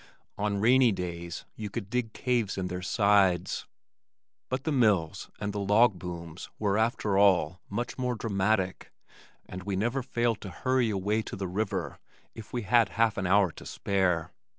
On rainy days you could dig caves in their sides. But the mills and the log booms were after all much more dramatic and we never failed to hurry away to the river if we had half an hour to spare.